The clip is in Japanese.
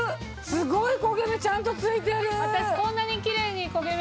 すごい焦げ目ちゃんとついてる！